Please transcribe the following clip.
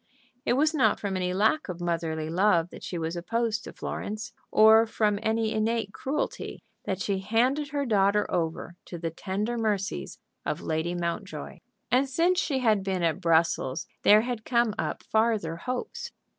It was not from any lack of motherly love that she was opposed to Florence, or from any innate cruelty that she handed her daughter over to the tender mercies of Lady Mountjoy. And since she had been at Brussels there had come up farther hopes.